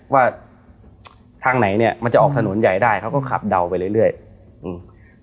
ว่าทางไหนเนี้ยมันจะออกถนนใหญ่ได้เขาก็ขับเดาไปเรื่อยเรื่อยอืม